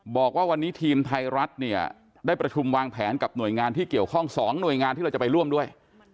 บอกว่าวันนี้ทีมไทยรัฐเนี่ยได้ประชุมวางแผนกับหน่วยงานที่เกี่ยวข้อง๒หน่วยงานที่เราจะไปร่วมด้วย